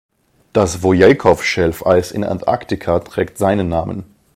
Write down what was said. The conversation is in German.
Das Wojeikow-Schelfeis in Antarktika trägt seinen Namen.